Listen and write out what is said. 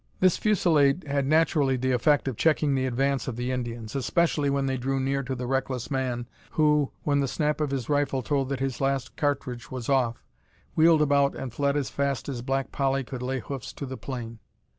This fusillade had naturally the effect of checking the advance of the Indians especially when they drew near to the reckless man, who, when the snap of his rifle told that his last cartridge was off, wheeled about and fled as fast as Black Polly could lay hoofs to the plain.